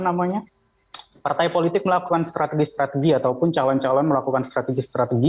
namanya partai politik melakukan strategi strategi ataupun calon calon melakukan strategi strategi